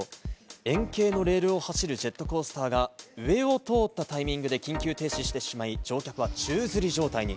円形のレールを走るジェットコースターが上を通ったタイミングで緊急停止してしまい、乗客は宙づり状態に。